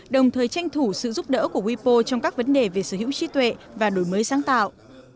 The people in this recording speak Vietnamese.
đồng thời tranh thủ sự giúp đỡ của wipo trong các vấn đề về sở hữu trí tuệ và đổi mới sáng tạo